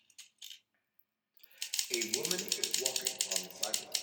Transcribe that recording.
A woman is walking on the sidewalk